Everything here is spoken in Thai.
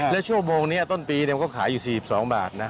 และช่วงโมงนี้ต้นปีก็ขายอยู่๔๒บาทนะ